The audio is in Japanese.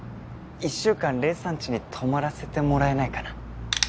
１週間黎さんちに泊まらせてもらえないかな？